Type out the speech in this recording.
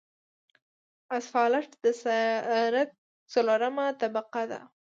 اسفالټ د سرک څلورمه طبقه ده